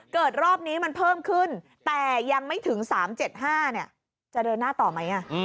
รอบนี้มันเพิ่มขึ้นแต่ยังไม่ถึง๓๗๕จะเดินหน้าต่อไหม